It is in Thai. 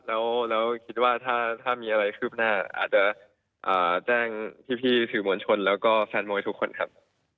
แล้วคิดว่าถ้ามีอะไรคืบหน้าอาจจะแจ้งพี่สื่อมวลชนแล้วก็แฟนมวยทุกคนครับ